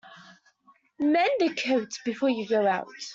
Mend the coat before you go out.